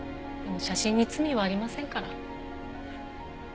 でも写真に罪はありませんから。